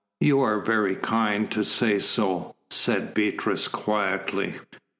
"You are very kind to say so," said Beatrice quietly.